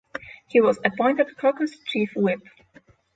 He was appointed caucus chief whip.